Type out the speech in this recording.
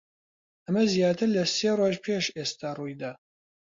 ئەمە زیاتر لە سێ ڕۆژ پێش ئێستا ڕووی دا.